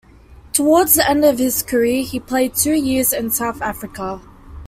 Towards the end of his career, he played two years in South Africa.